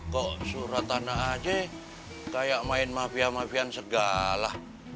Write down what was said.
kok surat tanah aja kayak main mafia mafian segala